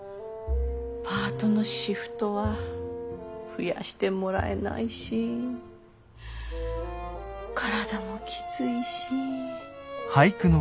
パートのシフトは増やしてもらえないし体もきついし。